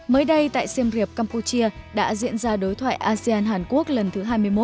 mới đây tại xem riệp campuchia đã diễn ra đối thoại asean hàn quốc lần thứ hai mươi một